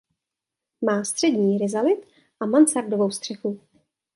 Má střední rizalit a mansardovou střechu.